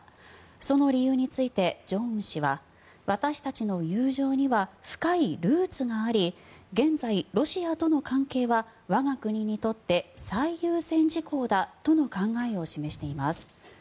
その理由について、正恩氏は私たちの友情には深いルーツがあり現在、ロシアとの関係は我が国にとって最優先事項だとの考えを示しています。